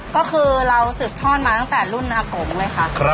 ก็คือเราสืบทอดมาตั้งแต่รุ่นอากงเลยค่ะ